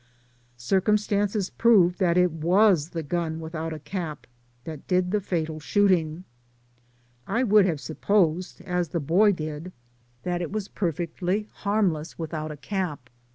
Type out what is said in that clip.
Circumstances proved that it was the gun without a cap that did the fatal shooting. I would have supposed, as the boy did, that it was perfectly harmless without a cap.